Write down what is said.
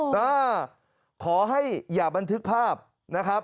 อ่าขอให้อย่าบันทึกภาพนะครับ